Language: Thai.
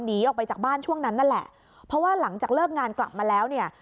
หนีออกไปจากบ้านช่วงนั้นนั่นแหละเพราะว่าหลังจากเลิกงานกลับมาแล้วเนี่ย